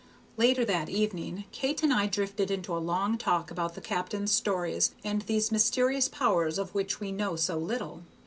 Later that evening Kate and I drifted into a long talk about the captain's stories and these mysterious powers of which we know so little.